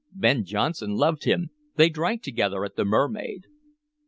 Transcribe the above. Ben Jonson loved him; they drank together at the Mermaid."